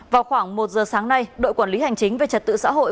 vào khoảng một giờ sáng nay đội quản lý hành chính về trật tự xã hội